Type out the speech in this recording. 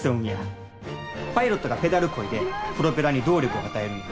パイロットがペダルこいでプロペラに動力を与えるんや。